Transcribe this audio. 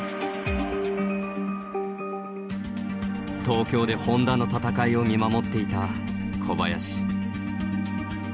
東京で本多の戦いを見守っていた小林。